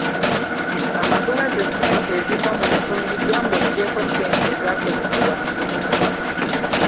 Amagoba ze ssente eziva mu bitundiddwa ng’oggyeeko ssente ezakozesebwa mu kulima.